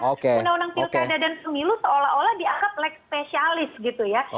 undang undang pilkada dan pemilu seolah olah dianggap leg spesialis gitu ya